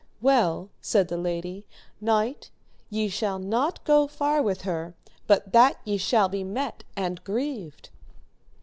Well, said the lady, knight, ye shall not go far with her, but that ye shall be met and grieved.